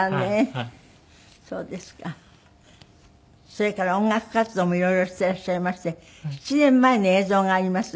それから音楽活動も色々していらっしゃいまして７年前の映像があります。